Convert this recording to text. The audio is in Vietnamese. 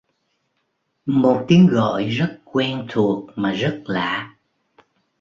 Một tiếng gọi rất quen thuộc mà rất lạ